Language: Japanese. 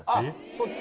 そっち？